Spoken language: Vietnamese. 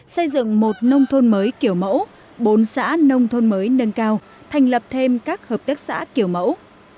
xây dựng một nông thôn mới kiểu mẫu bốn xã nông thôn mới nâng cao thành lập thêm các hợp tác xã kiểu mẫu